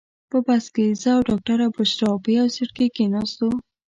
په بس کې زه او ډاکټره بشرا یو سیټ کې کېناستو.